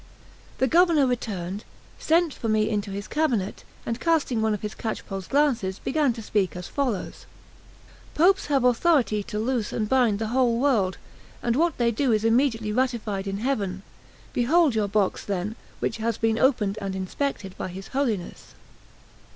The Governor returned, sent for me into his cabinet, and casting one of his catchpole's glances, began to speak as follows: "Popes have authority to loose and bind the whole world, and what they do is immediately ratified in heaven. Behold your box, then, which has been opened and inspected by his Holiness."